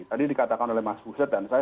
tadi dikatakan oleh mas buset dan saya